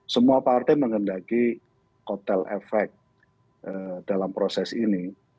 semua partai mengendaki koteleffek dalam proses ini